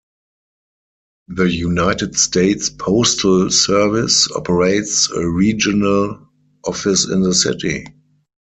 The United States Postal Service operates a regional office in the city.